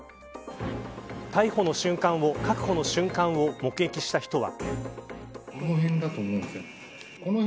逮捕の瞬間を確保の瞬間を目撃した人は。